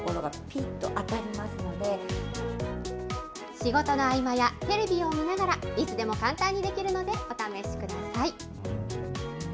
仕事の合間やテレビを見ながら、いつでも簡単にできるので、お試しください。